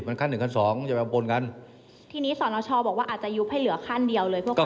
หนุนให้นายของเราเป็นนายกรัฐมนตรียังไม่ถึงเวลานะ